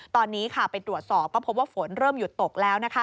ตอนนี้ไปตรวจสอบก็พบว่าฝนเริ่มหยุดตกแล้ว